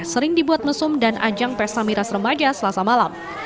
sering dibuat mesum dan ajang pesta miras remaja selasa malam